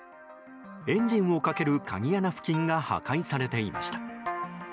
エンジンをかける鍵穴付近が破壊されていました。